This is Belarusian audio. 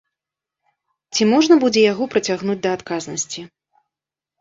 Ці можна будзе яго прыцягнуць да адказнасці?